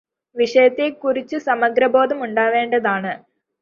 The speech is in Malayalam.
വിഷയത്തെ കുറിച്ചുള്ള സമഗ്രബോധം ഉണ്ടാവേണ്ടതാണ്.